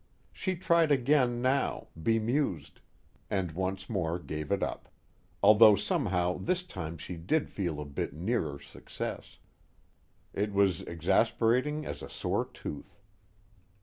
She tried again now, bemused, and once more gave it up, although somehow this time she did feel a bit nearer success. It was exasperating as a sore tooth.